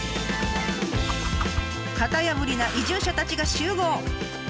型破りな移住者たちが集合。